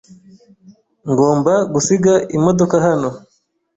Ngomba gusiga imodoka hano.